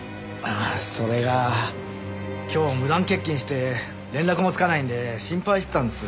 ああそれが今日無断欠勤して連絡もつかないんで心配してたんです。